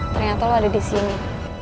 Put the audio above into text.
ternyata lo ada di sini